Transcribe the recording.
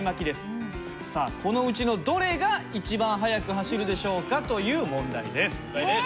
さあこのうちのどれが一番速く走るでしょうか？という問題です。え。